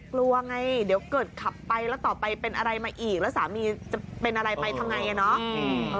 กลัวไงเดี๋ยวเกิดขับไปแล้วต่อไปเป็นอะไรมาอีกแล้วสามีจะเป็นอะไรไปทำไงเนาะ